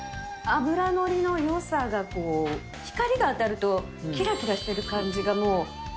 脂乗りのよさが、光が当たると、きらきらしてる感じが、もう。